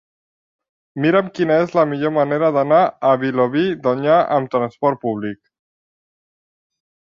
Mira'm quina és la millor manera d'anar a Vilobí d'Onyar amb trasport públic.